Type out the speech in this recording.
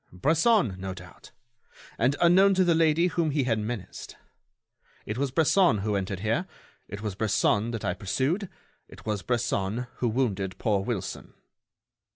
"Bresson, no doubt, and unknown to the lady whom he had menaced. It was Bresson who entered here; it was Bresson that I pursued; it was Bresson who wounded poor Wilson."